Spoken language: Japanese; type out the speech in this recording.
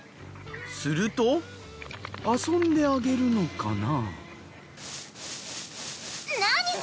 すると遊んであげるのかな？